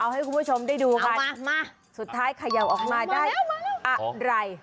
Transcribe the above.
เอาให้คุณผู้ชมได้ดูกันสุดท้ายเขย่าออกมาได้อะไรอ๋อมาแล้วมาแล้ว